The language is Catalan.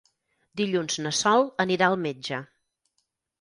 Dilluns na Sol anirà al metge.